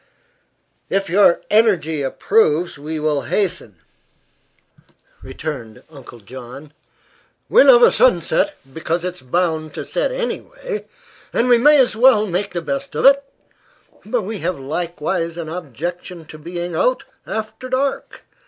"If your energy approves, we will hasten," returned Uncle John. "We love a sunset, because it's bound to set anyway, and we may as well make the best of it; but we have likewise an objection to being out after dark.